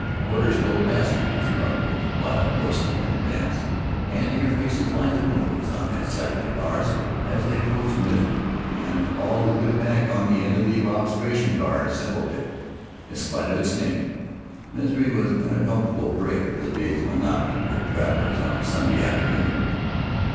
Porters told passengers about these wild horsemen in advance, and eager faces lined the windows on that side of the cars as they approached Misery, and all who could pack on the end of the observation car assembled there. In spite of its name, Misery was quite a comfortable break in the day's monotony for travelers on a Sunday afternoon.